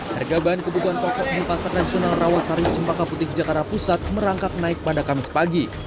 harga bahan kebutuhan pokok di pasar nasional rawasari cempaka putih jakarta pusat merangkak naik pada kamis pagi